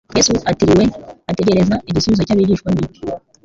Yesu atiriwe ategereza igisubizo cy'abigishwa be,